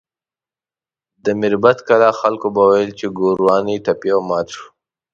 د میربت کلا خلکو به ویل چې ګوروان ټپي او مات شو.